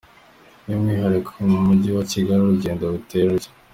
By’umwihariko mu Mujyi wa Kigali urugendo ruteye rutya:.